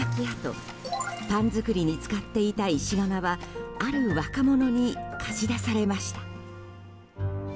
あとパン作りに使っていた石窯はある若者に貸し出されました。